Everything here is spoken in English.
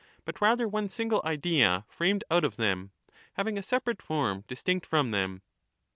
271 but rather one single idea framed out of them, having a Theaeutus. separate form distinct from them.